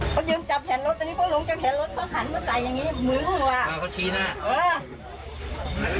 ก็ยืมจับแผนรถอันดีก็ลงจากแผนรถเขาหันมาใจอย่างงี้มือขึ้นมาอ่าเขาชี้หน้าเออ